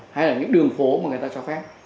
hay là những đường phố mà người ta cho phép